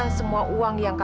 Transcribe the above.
sini kita sudah mencari angga